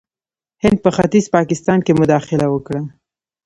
هند په ختیځ پاکستان کې مداخله وکړه.